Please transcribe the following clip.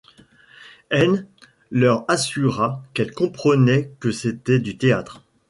Henn leur assura qu'elle comprenait que c'était du théâtre.